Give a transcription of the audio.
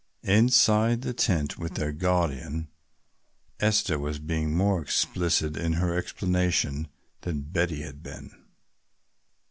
Inside the tent with their guardian, Esther was being more explicit in her explanation than Betty had been.